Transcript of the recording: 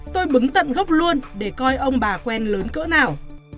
tôi bưng tận gốc luôn để coi ông bà quen lớn cỡ nào